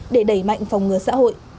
để đẩy mạnh phòng ngừa